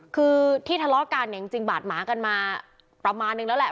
คือที่ทะเลาะกันเนี่ยจริงบาดหมากันมาประมาณนึงแล้วแหละ